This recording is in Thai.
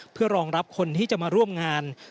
เพื่อรองรับคนที่จะมาร่วมงาน